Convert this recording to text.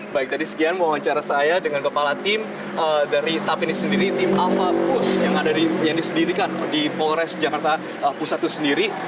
baik tadi sekian wawancara saya dengan kepala tim dari tapi ini sendiri tim alfa pus yang disedirikan di polres jakarta pusat itu sendiri